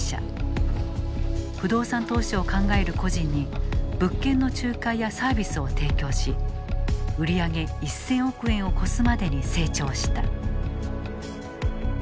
不動産投資を考える個人に物件の仲介やサービスを提供し売り上げ１，０００億円を超すまでに成長した。